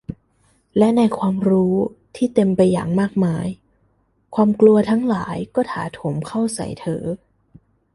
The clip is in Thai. และในความรู้ที่เต็มไปอย่างมากมาย ความกลัวทั้งหลายก็ถาโถมเข้าใส่เธอ